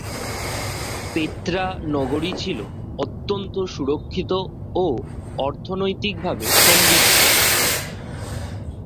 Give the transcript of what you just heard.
Petra নগরী ছিল অত্যন্ত সুরক্ষিত ও অর্থনৈতিকভাবে সমৃদ্ধ।